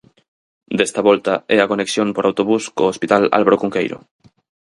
Desta volta é a conexión por autobús co Hospital Álvaro Cunqueiro.